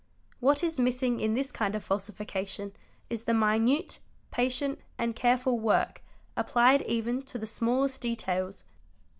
What is missing in ; this kind of falsification is the minute, patient, and careful work, applied even to the smallest details.